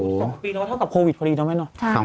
๒ปีแล้วเท่ากับโควิดพอดีน้องแม่นเหรอ